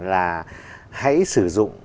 là hãy sử dụng